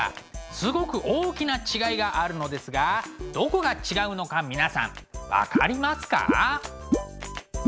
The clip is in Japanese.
すごく大きな違いがあるのですがどこが違うのか皆さん分かりますか？